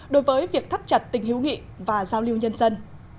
đối với việc thắt chặt tình hữu nghị và giao lưu nhân dân